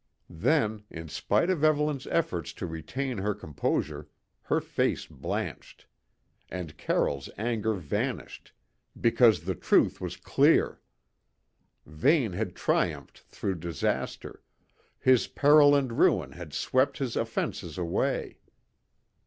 Then, in spite of Evelyn's efforts to retain her composure, her face blanched; and Carroll's anger vanished, because the truth was clear. Vane had triumphed through disaster; his peril and ruin had swept his offences away.